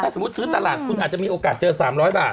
สมมุติซื้อตลาดคุณอาจจะมีโอกาสเจอ๓๐๐บาท